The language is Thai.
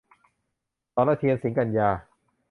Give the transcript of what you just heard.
สรเทียน สิงกันยา